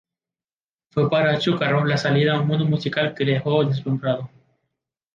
Fue para Achúcarro la salida a un mundo musical que le dejó deslumbrado.